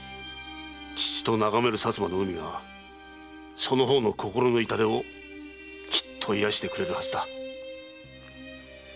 父と眺める薩摩の海がその方の心の痛手をきっと癒してくれるはずだ。